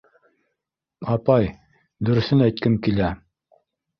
— Апай, дөрөҫөн әйткем килә.